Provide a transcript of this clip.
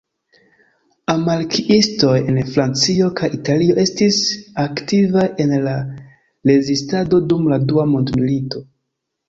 Anarkiistoj en Francio kaj Italio estis aktivaj en la Rezistado dum la Dua Mondmilito.